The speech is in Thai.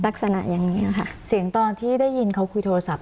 ลักษณะอย่างนี้ค่ะเสียงตอนที่ได้ยินเขาคุยโทรศัพท์